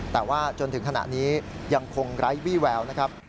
แต่ว่าจนถึงขณะนี้ยังคงไร้วี่แววนะครับ